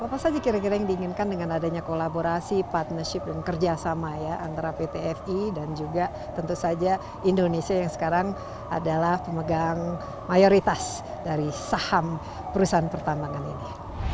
apa saja kira kira yang diinginkan dengan adanya kolaborasi partnership dan kerjasama ya antara pt fi dan juga tentu saja indonesia yang sekarang adalah pemegang mayoritas dari saham perusahaan pertambangan ini